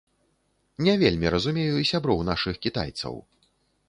Не вельмі разумею сяброў нашых кітайцаў.